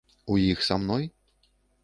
У іх са мной?